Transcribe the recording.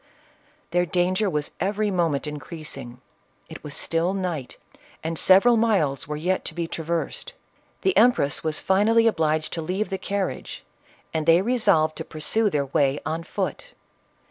Their danger was every moment increasing • still night, and several miles were yet to be trav: ersed ; the empress was finally obliged to leave the carriage, and they resolved to pursue their way on foot.